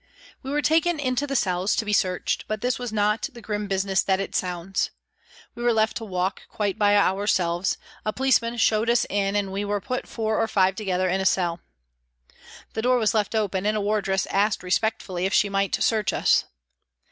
We were taken into the cells to be searched, but this was not the grim business that it sounds. We were left to walk quite by ourselves ; a policeman HOLLOWAY REVISITED 323 showed us in and we were put four or five together in a cell. The door was left open, and a wardress asked respectfully if she might search us.